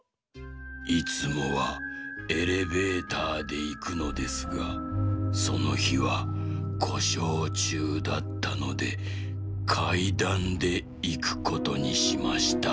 「いつもはエレベーターでいくのですがそのひはこしょうちゅうだったのでかいだんでいくことにしました。